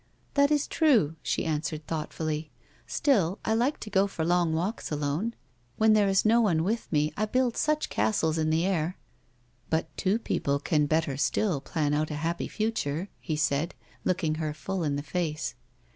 " That is true," she answered thoughtfully ;" still, I like to go for long walks alone. When there is no one with me I build such castles in the air." "But two people can better still plan out a happy future," he said, looking her full in the face.